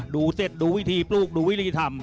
เสร็จดูวิธีปลูกดูวิธีทำ